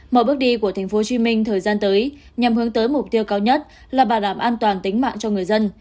mở bước đi của tp hcm thời gian tới nhằm hướng tới mục tiêu cao nhất là bảo đảm an toàn tính mạng cho người dân